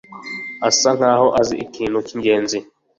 Asa nkaho azi ikintu cyingenzi.